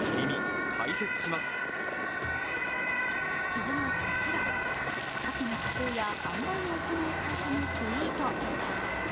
それがこちら、鮭の加工や販売を行う会社のツイート。